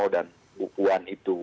dan bukuan itu